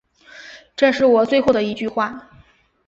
这是我的最后一句话